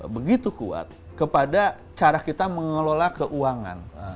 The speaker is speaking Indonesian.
begitu kuat kepada cara kita mengelola keuangan